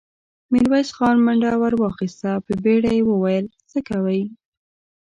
ميرويس خان منډه ور واخيسته، په بيړه يې وويل: څه کوئ!